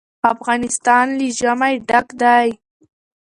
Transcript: افغانستان له ژمی ډک دی.